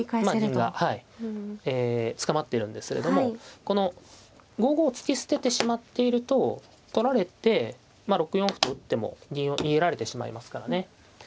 まあ銀がはいえ捕まってるんですけれどもこの５五突き捨ててしまっていると取られてまあ６四歩と打っても銀を逃げられてしまいますからね。